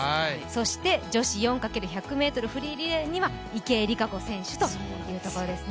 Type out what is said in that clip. そして女子４×１００ｍフリーリレーには池江璃花子選手というところですね。